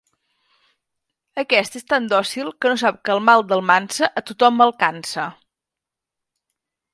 Aquesta és tan dòcil que no sap que el mal d'Almansa a tothom “alcança”.